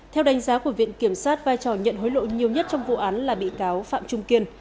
theo đánh giá của viện kiểm sát vai trò nhận hối lộ nhiều nhất trong vụ án là bị cáo phạm trung kiên